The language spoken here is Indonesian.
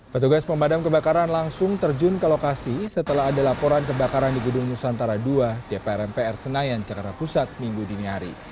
petugas pemadam kebakaran langsung terjun ke lokasi setelah ada laporan kebakaran di gedung nusantara ii dpr mpr senayan jakarta pusat minggu dini hari